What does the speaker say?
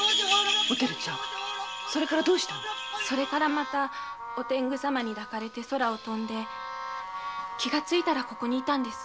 またお天狗様に抱かれ空を飛んで気がついたらここに居たんです。